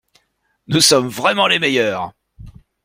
Nous sommes vraiment les meilleurs!